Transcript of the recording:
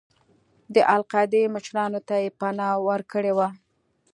د القاعدې مشرانو ته یې پناه ورکړې وه.